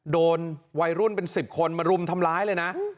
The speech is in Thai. โดนวัยรุ่นเป็น๑๐คนมารุมทำร้ายเลยนะ